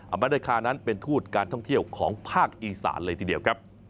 มาเดคานั้นเป็นทูตการท่องเที่ยวของภาคอีสานเลยทีเดียวครับ